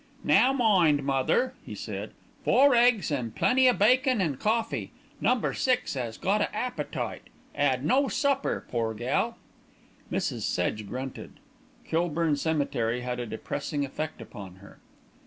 "Now mind, mother," he said, "four eggs and plenty o' bacon an' coffee, Number Six 'as got a appetite; 'ad no supper, pore gal." Mrs. Sedge grunted. Kilburn Cemetery had a depressing effect upon her.